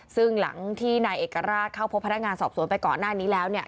ซึ่งหลังที่นายเอกราชเข้าพบพนักงานสอบสวนไปก่อนหน้านี้แล้ว